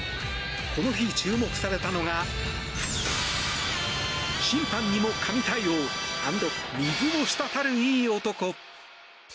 この日注目されたのが審判にも神対応＆水も滴るいい男。